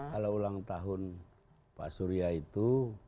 kalau ulang tahun pak surya itu